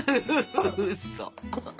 うそ。